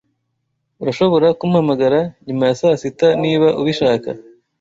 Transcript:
Urashobora kumpamagara nyuma ya saa sita niba ubishaka.